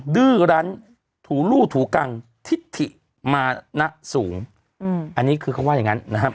ดื้อรั้นถูลู่ถูกังทิศถิมานะสูงอันนี้คือเขาว่าอย่างนั้นนะครับ